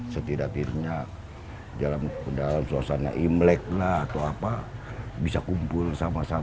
setidak tidaknya dalam suasana imlek lah atau apa bisa kumpul sama sama